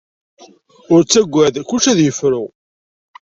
Ur ttagad, kullec ad yefru.